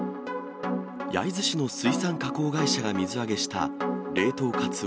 焼津市の水産加工会社が水揚げした冷凍カツオ